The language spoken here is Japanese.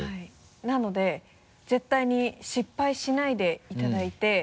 なので絶対に失敗しないでいただいて。